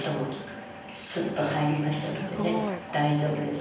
大丈夫です。